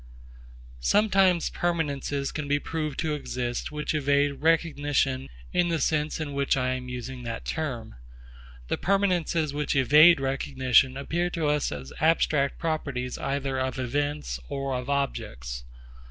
Sometimes permanences can be proved to exist which evade recognition in the sense in which I am using that term. The permanences which evade recognition appear to us as abstract properties either of events or of objects.